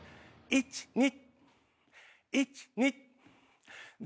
１・２。